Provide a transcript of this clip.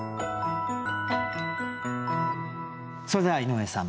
それでは井上さん